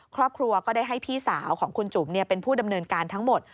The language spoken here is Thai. ครอบครัวก็ได้ให้พี่สาวของคุณจุ๋มเป็นผู้ดำเนินการทั้งหมด